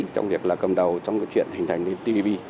trong việc là cầm đầu trong cái chuyện hình thành tdb